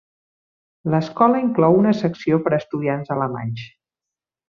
L"escola inclou una secció per a estudiants alemanys.